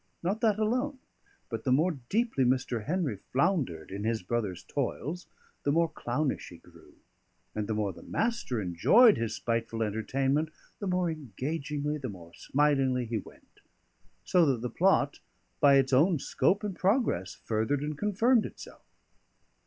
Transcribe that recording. Not that alone: but the more deeply Mr. Henry floundered in his brother's toils, the more clownish he grew; and the more the Master enjoyed his spiteful entertainment, the more engagingly, the more smilingly, he went! So that the plot, by its own scope and progress, furthered and confirmed itself.